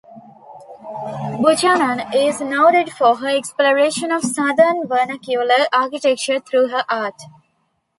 Buchanan is noted for her exploration of Southern vernacular architecture through her art.